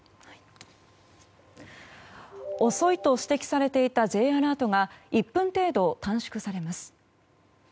遅いと指摘されていたＪアラートが１分程度短縮されます。